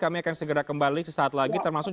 kami akan segera kembali sesaat lagi termasuk